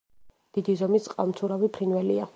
დიდი ზომის წყალმცურავი ფრინველია.